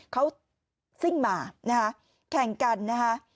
เขาซิ่งมานะฮะแข่งกันนะคะ